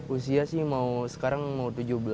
usia sih mau sekarang mau tujuh belas